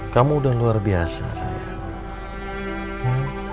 kamu udah luar biasa saya